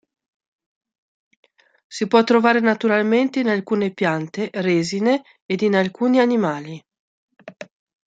Si può trovare naturalmente in alcune piante, resine ed in alcuni animali.